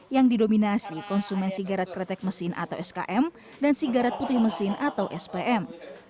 yang didominasi konsumen sigaret kretek mesin atau skm dan sigarat putih mesin atau spm